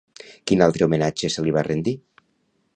Quin altre homenatge se li va rendir?